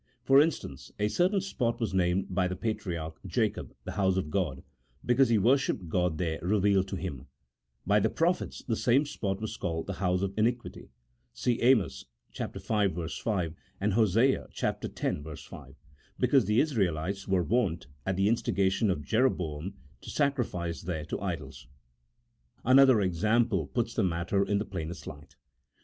For instance, a certain spot was named by the patriarch Jacob the house of God, because he worshipped God there re vealed to him : by the prophets the same spot was called the house of iniquity (see Amos v. 5, and Hosea x. 5), because the Israelites were wont, at the instigation of Jeroboam, to sacrifice there to idols. Another example puts the matter in the plainest light.